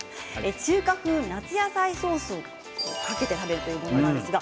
中華風夏野菜ソースかける食べるということですね。